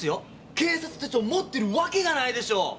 警察手帳持ってるわけがないでしょ！